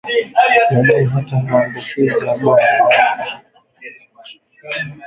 Binadamu hupata maambukizi ya bonde la ufa kwa kushika damu ya mnyama mwenye maambukizi